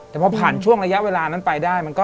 แต่พอผ่านช่วงระยะเวลานั้นไปได้